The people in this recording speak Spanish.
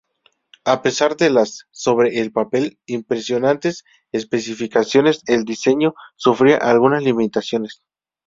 A pesar de las, sobre el papel, impresionantes especificaciones, el diseño sufría algunas limitaciones.